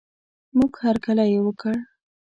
موږ هر کلی یې وکړ.